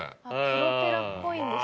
プロペラっぽいんですね。